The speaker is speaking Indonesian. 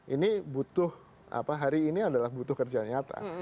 ini butuh hari ini adalah butuh kerja nyata